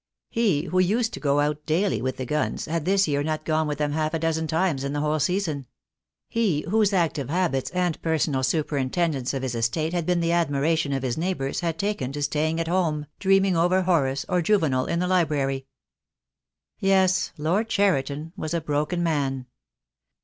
He who used to go out daily with the guns, had this year not gone with them half a dozen times in the whole season. He whose active habits and personal THE DAY WILL COME. 2V>3 superintendence of his estate had been the admiration of his neighbours had taken to staying at home, dreaming over Horace or Juvenal in the library. Yes, Lord Cheriton was a broken man.